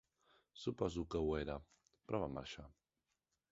Suposo que ho era, però va marxar.